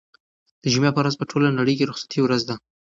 د جمعې ورځ په ټوله نړۍ کې د رخصتۍ ورځ ده.